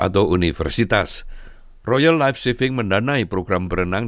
harga rata rata pelajaran berenang